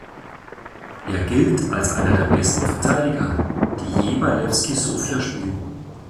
Er gilt als einer der besten Verteidiger, die je bei Lewski Sofia spielten.